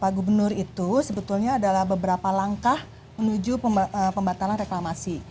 pak gubernur itu sebetulnya adalah beberapa langkah menuju pembatalan reklamasi